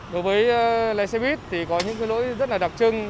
đối với lái xe buýt thì có những cái lỗi rất là đặc trưng